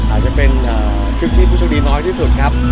อาจจะเป็นชุดที่ผู้โชคดีน้อยที่สุดครับ